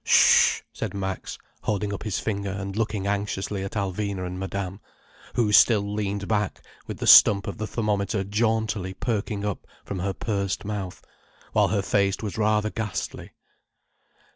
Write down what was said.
"Sh!" said Max, holding up his finger and looking anxiously at Alvina and Madame, who still leaned back with the stump of the thermometer jauntily perking up from her pursed mouth, while her face was rather ghastly.